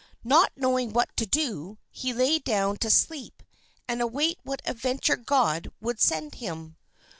Not knowing what to do, he lay down to sleep and await what adventure God would send him.